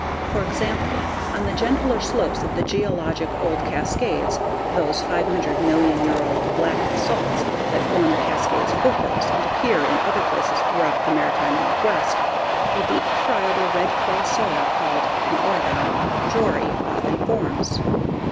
For example, on the gentler slopes of the geologic old Cascades, those 50 million year old black basalts that form the Cascades foothills and appear in other places throughout the maritime Northwest, a deep, friable, red clay soil called (in Oregon) Jori often forms.